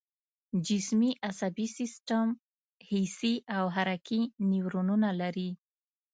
جسمي عصبي سیستم حسي او حرکي نیورونونه لري